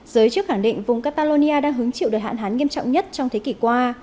giới chức khẳng định vùng catalonia đang hứng chịu đợt hạn hán nghiêm trọng nhất trong thế kỷ qua